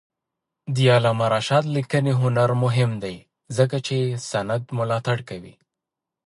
د علامه رشاد لیکنی هنر مهم دی ځکه چې سند ملاتړ کوي.